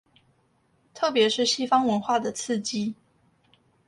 特別是西方文化的刺激